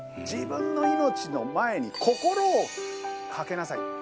自分の命の前に心を懸けなさい。